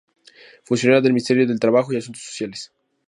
Funcionaria del Ministerio de Trabajo y Asuntos Sociales.